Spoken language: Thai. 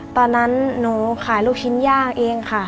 ตอนนั้นหนูขายลูกชิ้นย่างเองค่ะ